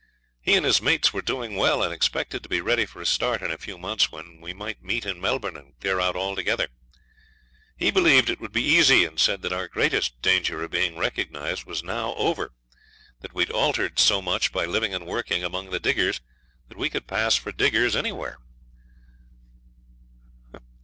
He and his mates were doing well, and expected to be ready for a start in a few months, when we might meet in Melbourne and clear out together. He believed it would be easy, and said that our greatest danger of being recognised was now over that we had altered so much by living and working among the diggers that we could pass for diggers anywhere.